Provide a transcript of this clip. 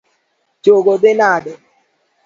Chogo dhi nade?